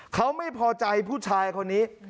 เขาไม่พอใจผู้ชายคนนี้